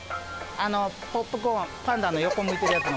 ポップコーンパンダの横向いてるやつの。